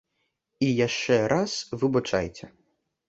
І яшчэ раз выбачайце.